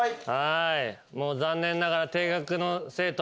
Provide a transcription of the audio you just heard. もう残念ながら。